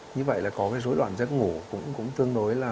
như vậy là có cái rối loạn giấc ngủ cũng tương đối là